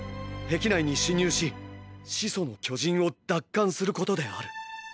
壁内に侵入し「始祖の巨人」を奪還することである。